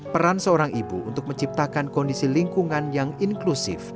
peran seorang ibu untuk menciptakan kondisi lingkungan yang inklusif